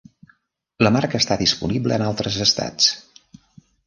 La marca està disponible en altres estats.